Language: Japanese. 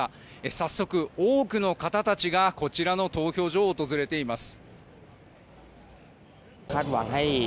早速、多くの方たちがこちらの投票所を訪れています。